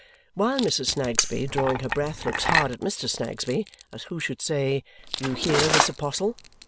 While Mrs. Snagsby, drawing her breath, looks hard at Mr. Snagsby, as who should say, "You hear this apostle!"